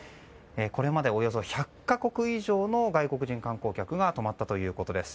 これまでおよそ１００か国以上の外国人観光客が泊まったということです。